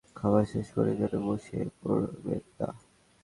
যাঁরা অম্লের সমস্যার ভোগেন, তাঁরা খাবার শেষ করেই যেন বসে পড়বেন না।